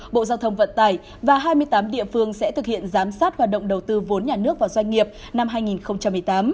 bộ giao thông vận tải và hai mươi tám địa phương sẽ thực hiện giám sát hoạt động đầu tư vốn nhà nước vào doanh nghiệp năm hai nghìn một mươi tám